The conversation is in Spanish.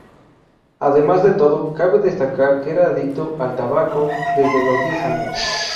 Además de todo, cabe destacar que era adicto al tabaco desde los diez años.